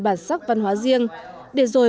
bản sắc văn hóa riêng để rồi